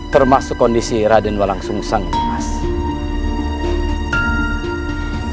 termasuk kondisi raden walang sung sang ini mas